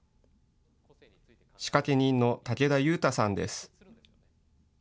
仕掛け人の武田悠太さんです。